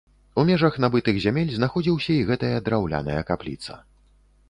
У межах набытых зямель знаходзіўся і гэтая драўляная капліца.